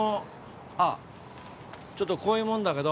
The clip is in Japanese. ああちょっとこういうもんだけど。